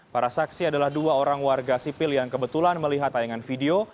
para saksi adalah dua orang warga sipil yang kebetulan melihat tayangan video